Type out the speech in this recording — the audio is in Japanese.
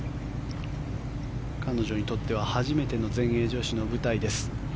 彼女にとっては初めての全英女子の舞台です。